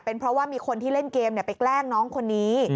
เพราะว่ามีคนที่เล่นเกมไปแกล้งน้องคนนี้